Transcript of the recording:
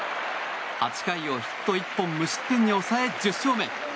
８回をヒット１本、無失点に抑え１０勝目。